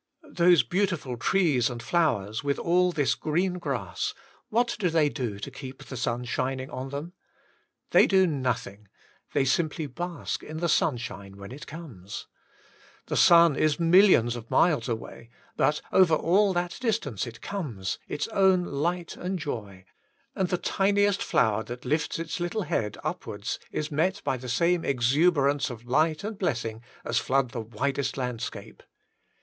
Those beautiful trees and flowers, with all this green grass, what do they do to keep the sun shiuing on them ? They do nothing; they simply bask in the sunshine, when it comes. The feun is millions of miles away, but over all that distance it comes, its own light and joy; and the tiniest flower that lifts its little head upwards is met by the same exuberance of light and blessing as flood the WAITING ON GODt 8i widest landscape.